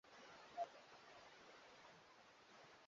Kinyume chake kwa kuonyesha ujasiri kwa mwingiliano wako